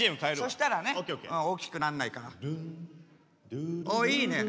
そしたらね大きくなんないから。おおいいね。